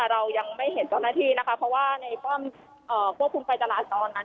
เรายังไม่เห็นเจ้าหน้าที่นะคะเพราะว่าในป้อมควบคุมไฟจราจรนั้น